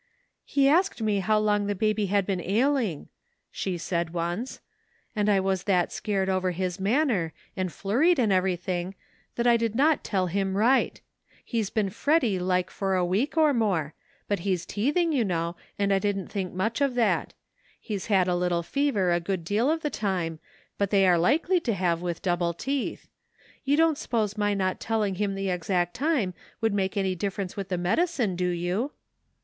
" He asked me how long the baby had been ailing," she said once, "and I was that scared over his manner, and flurried and everything, that I did not tell him right ; he's been fretty like for a week or more, but he's teething, you know, and I didn't think much of that; lie's had a little fever a good deal of the time, but they are likely to have with double teeth. You don't suppose my not telling him the exact time could make any difference with the medicine, do you